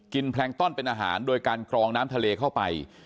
แพลงต้อนเป็นอาหารโดยการกรองน้ำทะเลเข้าไป